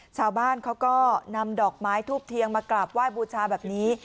ชาวบ้านเขาก็นำดอกไม้ทูบเทียนมากราบไหว้บูชาแบบนี้